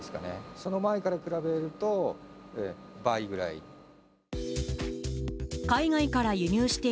その前から比べると倍ぐらい。